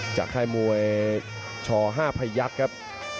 จากค่ายมวยช่อ๕ภัยยักษ์ครับ